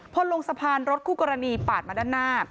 พอลงสะพานรถคู่กรณีปาดมาด้านหน้า